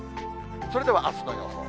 それではあすの予報。